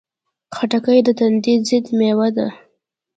خټکی د تندې ضد مېوه ده.